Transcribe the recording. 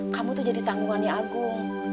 kamu tuh jadi tanggungannya agung